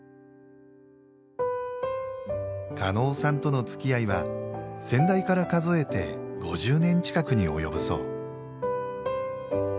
叶さんとの付き合いは先代から数えて５０年近くに及ぶそう。